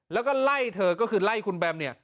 แล้วก็ไล่เธอก็คือไล่คุณแบมเนี่ย